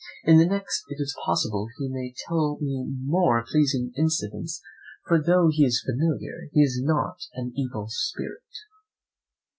In the next it is possible he may tell me more pleasing incidents; for though he is a familiar, he is not an evil, spirit.